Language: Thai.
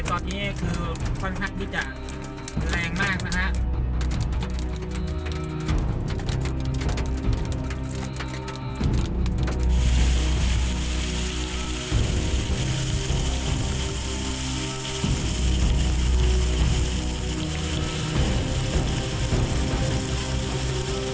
ตอนนี้คือค่อนข้างที่จะแรงมากนะครับ